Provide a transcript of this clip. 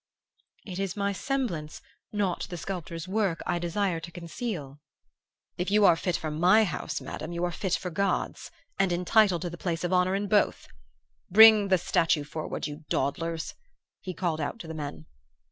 "'It is my semblance, not the sculptor's work, I desire to conceal.' "'It you are fit for my house, Madam, you are fit for God's, and entitled to the place of honor in both. Bring the statue forward, you dawdlers!' he called out to the men.